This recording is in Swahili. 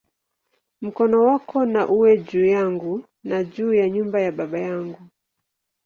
Mkono wako na uwe juu yangu, na juu ya nyumba ya baba yangu"!